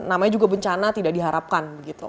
namanya juga bencana tidak diharapkan